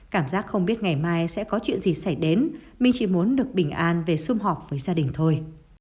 cảm giác không biết ngày mai sẽ có chuyện gì xảy đến minh chỉ muốn được bình an về xung họp với gia đình thôi